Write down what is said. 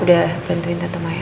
udah bantuin tante maya